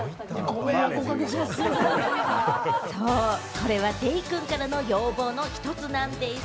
これはデイくんからの要望の１つなんでぃす。